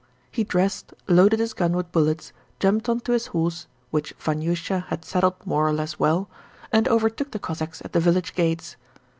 He dressed, loaded his gun with bullets, jumped onto his horse which Vanyusha had saddled more or less well, and overtook the Cossacks at the village gates.